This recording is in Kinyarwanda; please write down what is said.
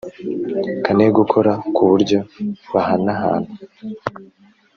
kanegukora ku buryo bahanahana